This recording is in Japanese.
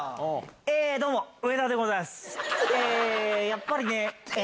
やっぱりねえ。